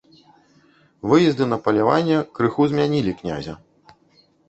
Выезды на паляванне крыху змянілі князя.